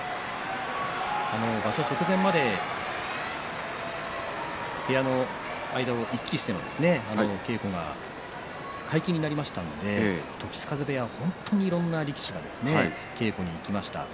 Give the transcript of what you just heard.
場所直前まで部屋の間を行き来して稽古が解禁になりましたので時津風部屋は本当にいろんな力士が稽古に行きました。